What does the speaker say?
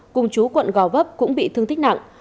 cùng chú quận gò vấp cũng bị thương tích nặng